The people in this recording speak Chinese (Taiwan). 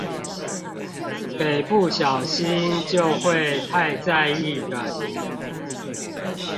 給不小心就會太在意的你